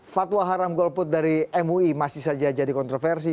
fatwa haram golput dari mui masih saja jadi kontroversi